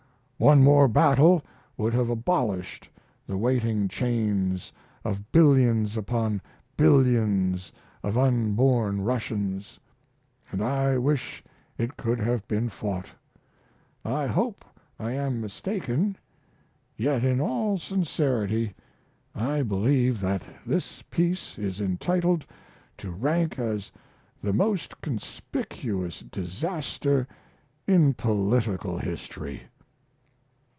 One more battle would have abolished the waiting chains of billions upon billions of unborn Russians, and I wish it could have been fought. I hope I am mistaken, yet in all sincerity I believe that this peace is entitled to rank as the most conspicuous disaster in political history.